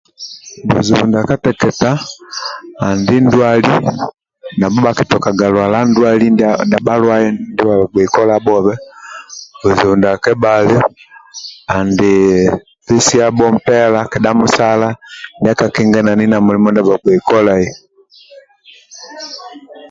Buzibu ndia kateka andi ndwali nabho bhaktokaga lwala ndwali tabhi ndia halwaye ndi ha bhagbei kolabhobe kizibu ndia kebhali andi pesiabho mpela kedha musala ndia kakinganani na mulimo ndia bhabgei kolai